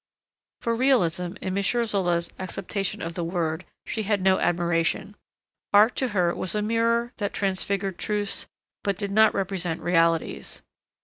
For realism, in M. Zola's acceptation of the word, she had no admiration. Art to her was a mirror that transfigured truths but did not represent realities.